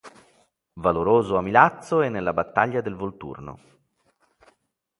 Valoroso a Milazzo e nella battaglia del Volturno.